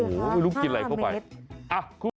โอ้โหลุกกินอะไรเข้าไปโอ้โหลุกกินอะไรเข้าไป